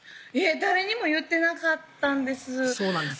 誰にも言ってなかったんですそうなんです